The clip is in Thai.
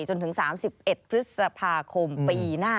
จนถึง๓๑พฤษภาคมปีหน้า